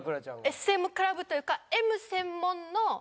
ＳＭクラブというかＭ専門の風俗。